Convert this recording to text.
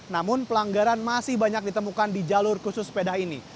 namun pelanggaran masih banyak ditemukan di jalur khusus sepeda ini